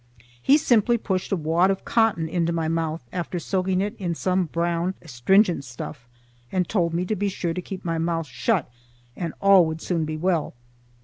He simply pushed a wad of cotton into my mouth after soaking it in some brown astringent stuff, and told me to be sure to keep my mouth shut and all would soon be well.